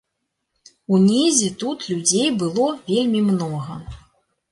Унізе тут людзей было вельмі многа.